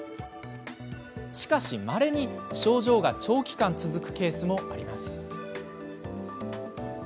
しかし、まれに症状が長期間続くケースもあります。